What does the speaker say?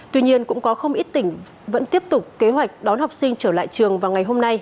tuy nhiên cũng có không ít tỉnh vẫn tiếp tục kế hoạch đón học sinh trở lại trường vào ngày hôm nay